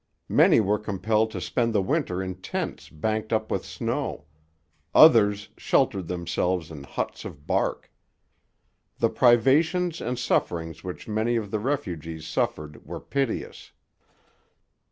Many were compelled to spend the winter in tents banked up with snow; others sheltered themselves in huts of bark. The privations and sufferings which many of the refugees suffered were piteous.